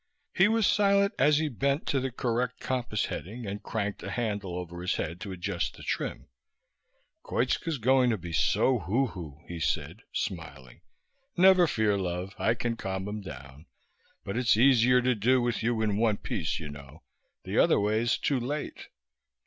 He was silent as he bent to the correct compass heading and cranked a handle over his head to adjust the trim. "Koitska's going to be so huhu," he said, smiling. "Never fear, love, I can calm him down. But it's easier to do with you in one piece, you know, the other way's too late."